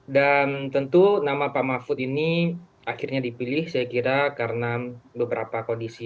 dan tentu nama pak mahfud ini akhirnya dipilih saya kira karena beberapa kondisi